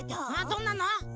どんなの？